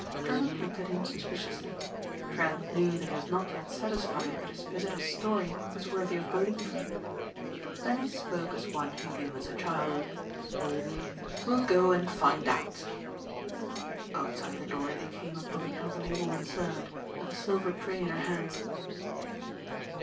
Drummond looked at him suspiciously. Trent knew that he was not yet satisfied that his visitor's story was worthy of belief. Then he spoke as one who humors a child. "We'll go and find out." Outside the door they came upon an elderly woman servant with a silver tray in her hands.